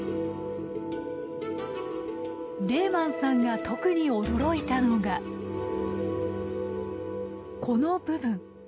レーマンさんが特に驚いたのがこの部分。